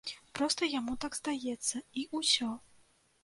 Проста яму так здаецца, і ўсё.